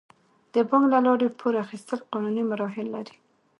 د بانک له لارې پور اخیستل قانوني مراحل لري.